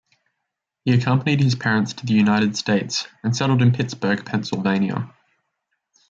He accompanied his parents to the United States and settled in Pittsburgh, Pennsylvania.